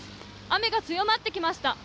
雨が強まってきました